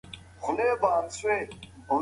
که ستونی مو خوږیږي ګرمې اوبه وڅښئ.